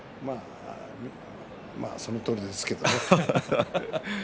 そのとおりですけどね。